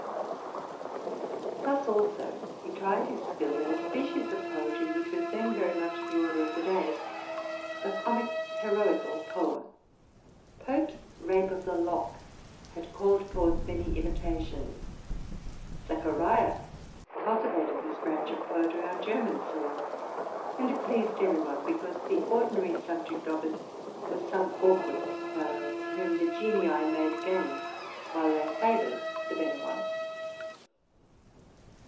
Thus, also, he tried his skill in a species of poetry which was then very much the order of the day, —— the comic heroi cal poem. Pope's '* Rape of the Lock'? had called forth many imitations: Zacharia cultivated this branch of poetry on German soil; and it pleased every one, because the ordinary subject of it was some awkward fellow, of whom the genii made game, while they favored the hefter one.